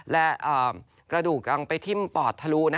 และกระดูกยังไปทิ้มปอดทะลุ